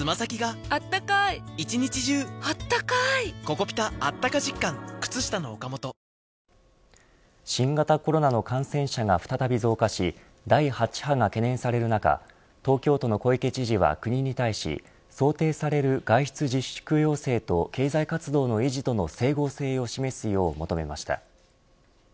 「ニベアメンアクティブエイジ」集中ケアも新型コロナの感染者が再び増加し第８波が懸念される中東京都の小池知事は国に対し想定される外出自粛要請と経済活動の維持との整合性を示すよう求めました。